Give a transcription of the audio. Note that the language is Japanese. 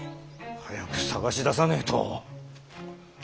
早く捜し出さねえと。